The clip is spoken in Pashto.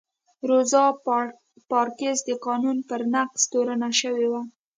روزا پارکس د قانون پر نقض تورنه شوې وه.